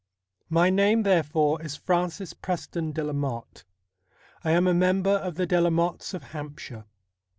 My name, therefore, is Francis Preston de la Motte. I am a member of the De la Mottes of Hampshire.